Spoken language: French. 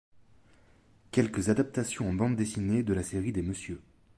Quelques adaptations en bande dessinée de la série des Mr.